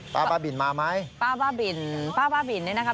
บ้าบินมาไหมป้าบ้าบินป้าบ้าบินเนี่ยนะคะ